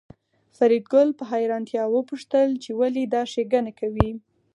فریدګل په حیرانتیا وپوښتل چې ولې دا ښېګڼه کوې